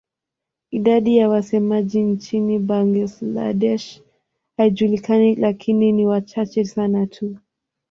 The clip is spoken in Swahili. Idadi ya wasemaji nchini Bangladesh haijulikani lakini ni wachache sana tu.